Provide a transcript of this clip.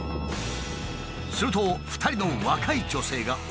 すると２人の若い女性が降りてきた。